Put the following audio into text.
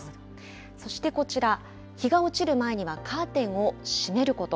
そしてこちら、日が落ちる前にはカーテンを閉めること。